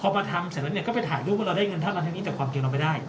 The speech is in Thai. พอมาทำเสร็จแล้วก็ไปถ่ายรูปเขาก็ได้เงินพรรณาแรกทั้งนี้แต่ความเกลียดไม่ได้